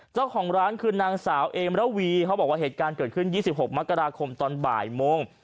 เจ้าของร้านคือนางสาวเอมระวีเขาบอกว่าเหตุการณ์เกิดขึ้น๒๖มกราคมตอนบ่ายโมง